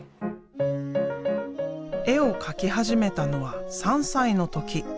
絵を描き始めたのは３歳の時。